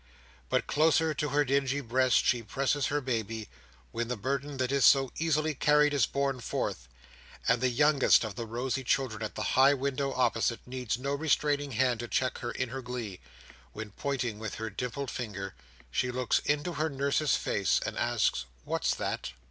But closer to her dingy breast she presses her baby, when the burden that is so easily carried is borne forth; and the youngest of the rosy children at the high window opposite, needs no restraining hand to check her in her glee, when, pointing with her dimpled finger, she looks into her nurse's face, and asks "What's that?"